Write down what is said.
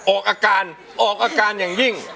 ออกอาการอย่างยิ่ง